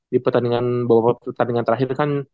di pertandingan beberapa pertandingan terakhir kan